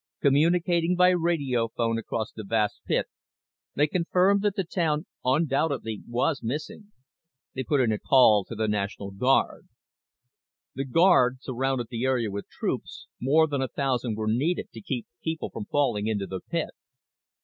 Communicating by radiophone across the vast pit, they confirmed that the town undoubtedly was missing. They put in a call to the National Guard. The guard surrounded the area with troops more than a thousand were needed to keep people from falling into the pit.